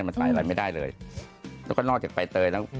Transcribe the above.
มันตายแล้วไม่ได้เลยและก็นอกจากใบเตยแล้ว